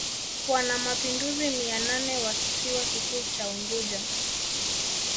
wanamapinduzi mia nane wa kisiwa kikuu cha Unguja